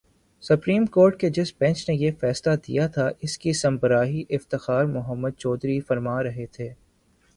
Supreme court کے جس bench نے یہ فیصلہ دیا تھا، اس کی سربراہی افتخار محمد چودھری فرما رہے تھے۔